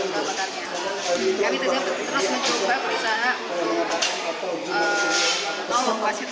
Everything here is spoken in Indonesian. kami terus mencoba berusaha untuk melakukan tersebut